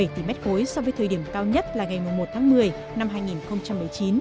bảy tỷ m ba so với thời điểm cao nhất là ngày một tháng một mươi năm hai nghìn một mươi chín